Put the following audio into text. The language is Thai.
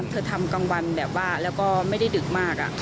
ทำกลางวันแบบว่าแล้วก็ไม่ได้ดึกมาก